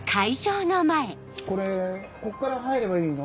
これここから入ればいいの？